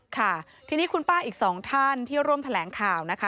ค่ะทีนี้คุณป้าอีกสองท่านที่ร่วมแถลงข่าวนะคะ